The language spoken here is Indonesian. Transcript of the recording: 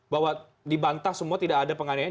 bahwa dibantah semua tidak ada penganiayaan